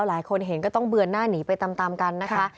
หลายคนเห็นก็ต้องเบือนหน้าหนีไปตามกันนะคะ